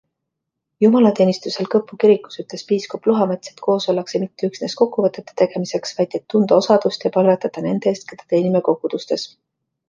Jumalateenistusel Kõpu kirikus ütles piiskop Luhamets, et koos ollakse mitte üksnes kokkuvõtete tegemiseks, vaid et tunda osadust ja palvetada nende eest, keda teenime kogudustes.